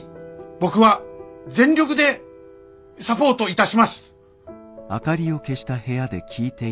僕は全力でサポートいたします！